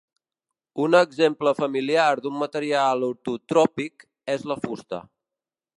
Un exemple familiar d'un material ortotròpic es la fusta.